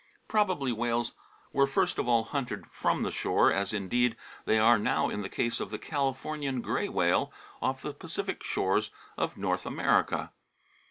Probably whales were first of all hunted from the shore, as, indeed, they are now in the case of the Californian grey whale off the Pacific shores of North America.